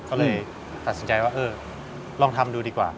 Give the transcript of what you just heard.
ก็เลยตัดสินใจว่าเออลองทำดูดีกว่า